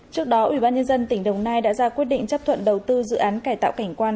trước đó ubnd tỉnh đồng nai đã ra quyết định chấp thuận đầu tư dự án cải tạo cảnh quan